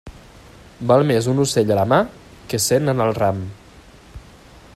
Val més un ocell a la mà que cent en el ram.